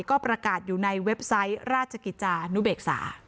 ก็ประกาศอยู่ในเว็บไซต์ราชกิจจานุเบกษา